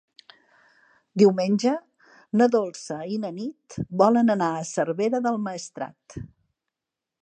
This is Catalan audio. Diumenge na Dolça i na Nit volen anar a Cervera del Maestrat.